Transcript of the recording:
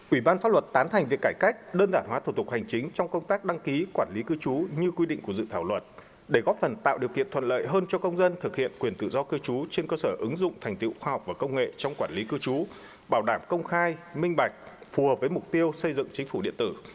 ủy ban pháp luật tán thành việc cải cách đơn giản hóa thủ tục hành chính trong công tác đăng ký quản lý cư trú như quy định của dự thảo luật để góp phần tạo điều kiện thuận lợi hơn cho công dân thực hiện quyền tự do cư trú trên cơ sở ứng dụng thành tiệu khoa học và công nghệ trong quản lý cư trú bảo đảm công khai minh bạch phù hợp với mục tiêu xây dựng chính phủ điện tử